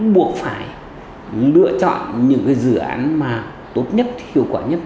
buộc phải lựa chọn những cái dự án mà tốt nhất hiệu quả nhất